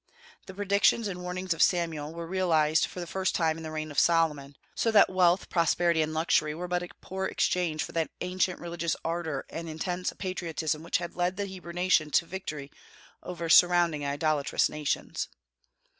The predictions and warnings of Samuel were realized for the first time in the reign of Solomon, so that wealth, prosperity, and luxury were but a poor exchange for that ancient religious ardor and intense patriotism which had led the Hebrew nation to victory over surrounding idolatrous nations.